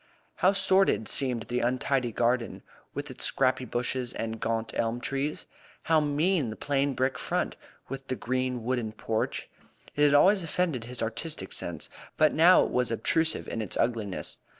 How sordid seemed the untidy garden, with its scrappy bushes and gaunt elm trees! How mean the plain brick front, with the green wooden porch! It had always offended his artistic sense, but now it was obtrusive in its ugliness.